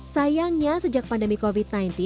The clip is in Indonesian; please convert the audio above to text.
sayangnya sejak pandemi covid sembilan belas